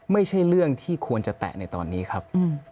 ไม่ใช่เรื่องที่ควรจะแตะในตอนนี้ครับ